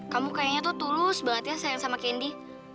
kamu kayaknya tuh tulus banget ya sayang sama kendi